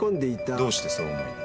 どうしてそうお思いに？